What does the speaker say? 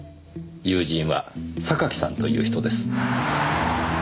友人は榊さんという人です。